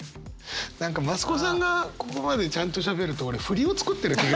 何か増子さんがここまでちゃんとしゃべると俺フリを作ってる。